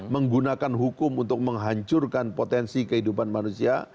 menggunakan hukum untuk menghancurkan potensi kehidupan manusia